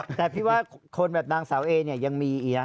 แบบการเป็นการตามเศร้าเอเนี่ย